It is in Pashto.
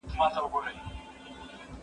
زه اوږده وخت لوښي وچوم وم؟